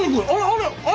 あれ？